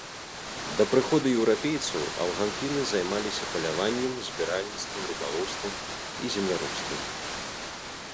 Да прыходу еўрапейцаў алганкіны займаліся паляваннем, збіральніцтвам, рыбалоўствам і земляробствам.